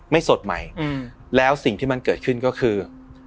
สดใหม่แล้วสิ่งที่มันเกิดขึ้นก็คือ